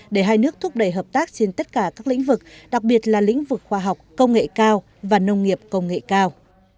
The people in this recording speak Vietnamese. để hai nước thúc đẩy hợp tác trên tất cả các lĩnh vực đặc biệt là lĩnh vực khoa học công nghệ cao và nông nghiệp công nghệ cao